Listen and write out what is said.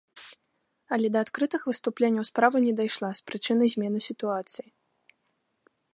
Але да адкрытых выступленняў справа не дайшла, з прычыны змены сітуацыі.